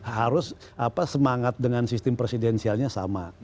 harus semangat dengan sistem presidensialnya sama